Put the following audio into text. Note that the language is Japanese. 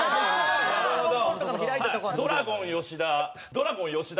「ドラゴン吉田」